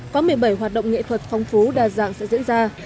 có một mươi bảy hoạt động nghệ thuật phong phú đa dạng sẽ diễn ra